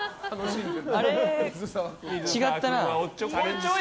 違ったな。